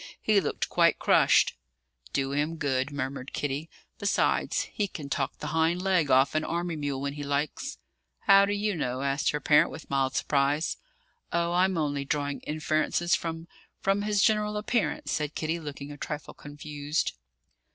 "He looked quite crushed." "Do him good," murmured Kitty. "Besides, he can talk the hind leg off an army mule when he likes." "How do you know?" asked her parent, with mild surprise. "Oh, I'm only drawing inferences from from his general appearance," said Kitty, looking a trifle confused.